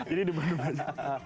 ini di bandung aja